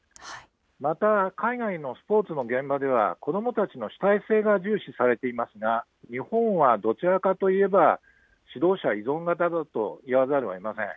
また海外のスポーツの現場では子どもたちの主体性が重視されていますが、日本はどちらかといえば、指導者依存型だと言わざるをえません。